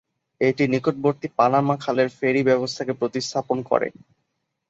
এটি নিকটবর্তী পানামা খালের ফেরি ব্যবস্থাকে প্রতিস্থাপন করে।